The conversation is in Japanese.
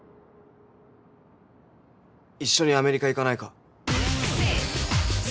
一緒にアメリカ行かないか？